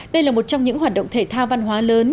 đây là một trong những hoạt động thể thao văn hóa lớn